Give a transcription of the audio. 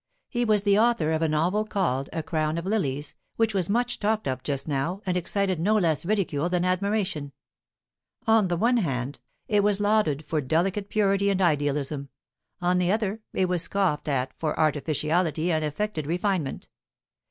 He was the author of a novel called "A Crown of Lilies," which was much talked of just now, and excited no less ridicule than admiration, On the one hand, it was lauded for delicate purity and idealism; on the other, it was scoffed at for artificiality and affected refinement.